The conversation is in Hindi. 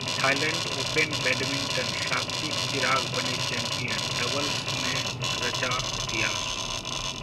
थाईलैंड ओपन बैडमिंटन: सात्विक-चिराग बने चैम्पियन, डबल्स में रचा इतिहास